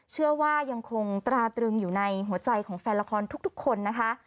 เชื่อว่ายังคงตราตรึงอยู่ในหัวใจของแฟนละครทุกคนนะคะ